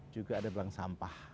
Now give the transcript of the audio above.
juga ada belang sampah